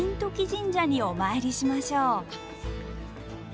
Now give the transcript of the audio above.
神社にお参りしましょう。